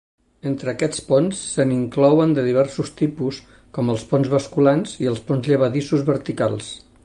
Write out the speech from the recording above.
Entre aquests ponts se n'inclouen de diversos tipus, com els ponts basculants i els ponts llevadissos verticals.